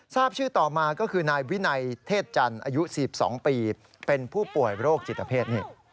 ทราบชื่อต่อมาก็คือนายวินัยเทศจันทร์อายุ๔๒ปีเป็นผู้ป่วยโรคจิตเพศนี่